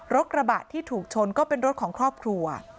กระบะที่ถูกชนก็เป็นรถของครอบครัว